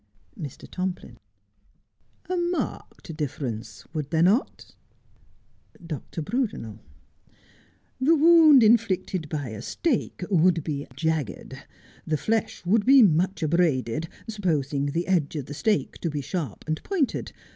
Mr. Tomplin : A marked difference, would there not 1 Dr. Brudenel : The wound inflicted by a stake would be jagged. The flesh would be much abraded, supposing the edge of the stake to be sharp and pointed.